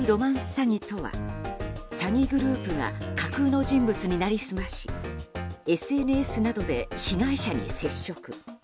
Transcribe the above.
詐欺とは詐欺グループが架空の人物に成り済ましＳＮＳなどで被害者に接触。